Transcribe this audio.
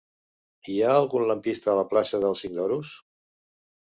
Hi ha algun lampista a la plaça del Cinc d'Oros?